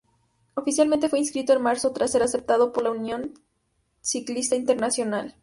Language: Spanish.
Oficialmente fue inscrito en marzo tras ser aceptado por la Unión Ciclista Internacional.